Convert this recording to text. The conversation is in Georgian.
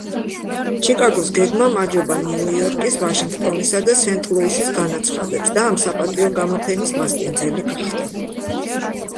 ჩიკაგოს გეგმამ აჯობა ნიუ-იორკის, ვაშინგტონისა და სენტ-ლუისის განაცხადებს, და ამ საპატიო გამოფენის მასპინძელი გახდა.